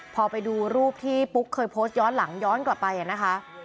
พอไปดูรูปที่ปุ๊กเคยโพสต์ย้อนหลังย้อนกลับไปนะคะ